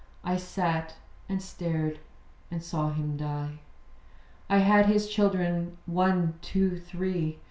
I sat, and stared, and saw him die. I had his children one, two, three.